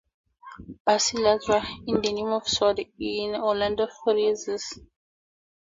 "Basilarda" is the name of a sword in "Orlando Furioso".